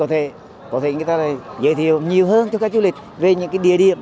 thì có thể người ta giới thiệu nhiều hơn cho các du lịch về những địa điểm